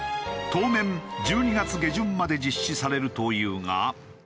当面１２月下旬まで実施されるというが。